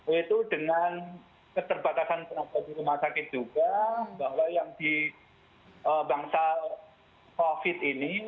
yaitu dengan keterbatasan tenaga di rumah sakit juga bahwa yang di bangsa covid ini